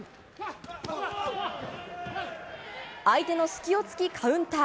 相手の隙を突きカウンター。